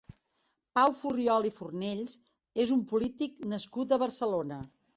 Pau Furriol i Fornells és un polític nascut a Barcelona.